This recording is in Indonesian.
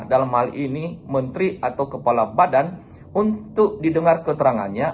dalam hal ini menteri atau kepala badan untuk didengar keterangannya